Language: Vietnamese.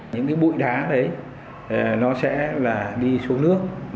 những cái bụi đá đấy nó sẽ là đi xuống nước